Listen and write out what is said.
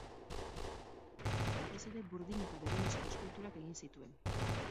Batez ere, burdin eta berunezko eskulturak egin zituen.